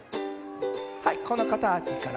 はいこのかたちから。